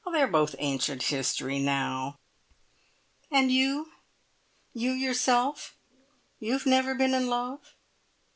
They are both ancient history now." "And you? You yourself? You have never been in love?"